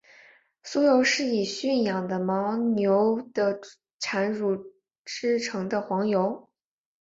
酥油是以驯养的牦牛的产乳制成的黄油。